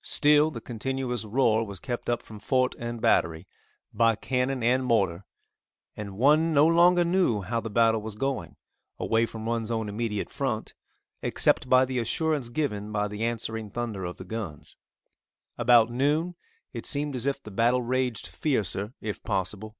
Still the continuous roar was kept up from fort and battery, by cannon and mortar, and one no longer knew how the battle was going, away from one's own immediate front, except by the assurance given by the answering thunder of the guns. About noon, it seemed as if the battle raged fiercer if possible.